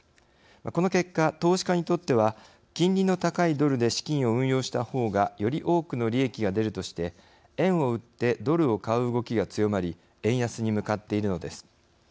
この結果、投資家にとっては金利の高いドルで資金を運用した方がより多くの利益が出るとして円を売ってドルを買う動きが強まり円安に向かっているのです。